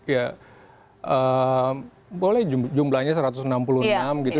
ya boleh jumlahnya satu ratus enam puluh enam gitu